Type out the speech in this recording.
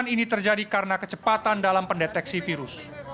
ini terjadi karena kecepatan dalam pendeteksi virus